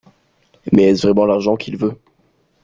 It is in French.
Mais, est-ce vraiment l’argent qu’il veut ?